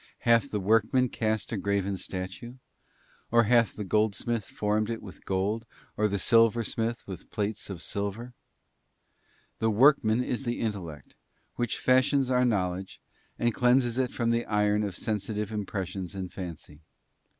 Hath the _ workman cast a graven statue? or hath the goldsmith formed _ it with gold, or the silversmith with plates of silver?'§ The _ workman is the intellect, which fashions our knowledge, and _ cleanses it from the iron of sensitive impressions and fancy.